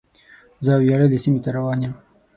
زه وياړلې سیمې ته روان یم.